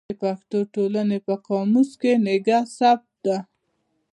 د پښتو ټولنې په قاموس کې نګه ثبت ده.